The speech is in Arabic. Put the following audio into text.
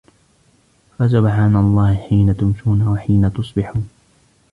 فَسُبْحَانَ اللَّهِ حِينَ تُمْسُونَ وَحِينَ تُصْبِحُونَ